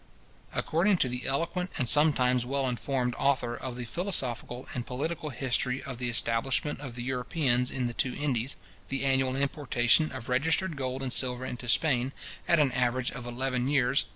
According to the eloquent, and sometimes well informed, author of the Philosophical and Political History of the Establishment of the Europeans in the two Indies, the annual importation of registered gold and silver into Spain, at an average of eleven years, viz.